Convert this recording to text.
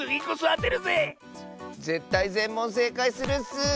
ぜったいぜんもんせいかいするッス！